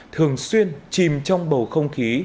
thường xuyên chìm trong bầu không khí